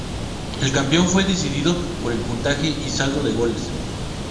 El campeón fue decidido por el puntaje y saldo de goles.